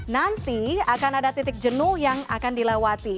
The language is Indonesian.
nanti akan ada titik jenuh yang akan dilewati